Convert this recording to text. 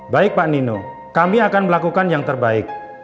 baik pak nino kami akan melakukan yang terbaik